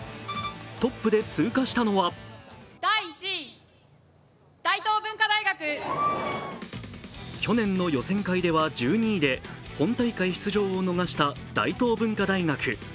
トップで通過したのは去年の予選会では１２位で本大会出場を逃した大東文化大学。